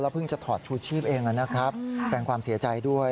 เพิ่งจะถอดชูชีพเองนะครับแสงความเสียใจด้วย